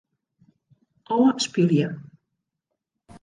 Ofspylje.